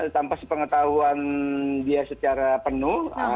tanpa sepengetahuan dia secara penuh